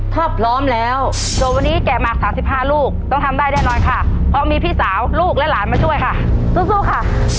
ถ้าพร้อมแล้วโจทย์วันนี้แกะหมาก๓๕ลูกต้องทำได้แน่นอนค่ะเพราะมีพี่สาวลูกและหลานมาช่วยค่ะสู้ค่ะ